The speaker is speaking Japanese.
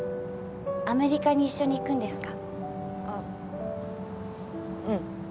アメリカに一緒に行くんですか？